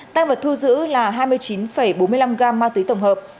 tăng vật thu giữ là hai mươi chín bốn mươi năm gram ma túy tổng hợp